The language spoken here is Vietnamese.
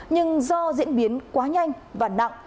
nhưng do diễn biến quá nhanh và nặng